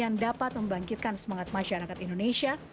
yang dapat membangkitkan semangat masyarakat indonesia